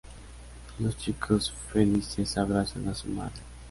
Los chicos, felices, abrazan a su madre.